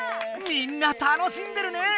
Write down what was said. みんな楽しんでるね！